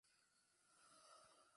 El creó la tabla periódica.